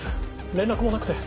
連絡もなくて。